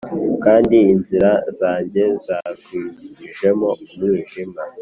kandi inzira zanjye yazikwijemo umwijima